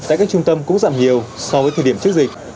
tại các trung tâm cũng giảm nhiều so với thời điểm trước dịch